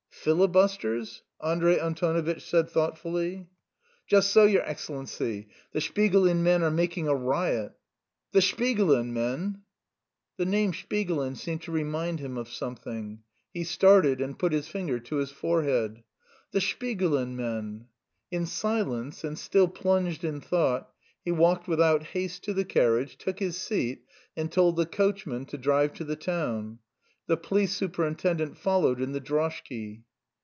"Filibusters?" Andrey Antonovitch said thoughtfully. "Just so, your Excellency. The Shpigulin men are making a riot." "The Shpigulin men!..." The name "Shpigulin" seemed to remind him of something. He started and put his finger to his forehead: "The Shpigulin men!" In silence, and still plunged in thought, he walked without haste to the carriage, took his seat, and told the coachman to drive to the town. The police superintendent followed in the droshky.